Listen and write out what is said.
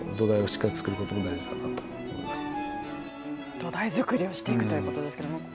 土台作りをしていくということですけれども。